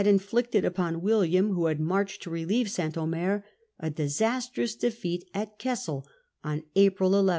inflicted upon William, who had marched to relieve St. Omer, a disastrous defeat at Cassel on April 1 1.